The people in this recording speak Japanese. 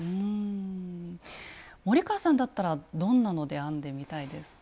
森川さんだったらどんなので編んでみたいですか？